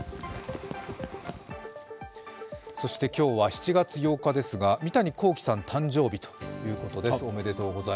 そして今日は７月８日ですが三谷幸喜さん誕生日ということです。